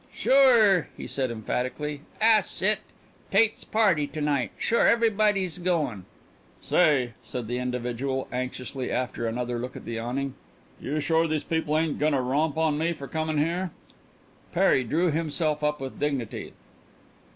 "Sure," he said emphatically; "'at's it! Tate's party to night. Sure, everybody's goin'." "Say," said the individual anxiously after another look at the awning, "you sure these people ain't gonna romp on me for comin' here?" Perry drew himself up with dignity.